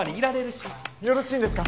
よろしいんですか！？